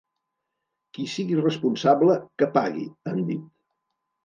Qui sigui responsable, que pagui, han dit.